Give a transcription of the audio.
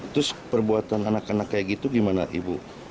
terus perbuatan anak anak kayak gitu gimana ibu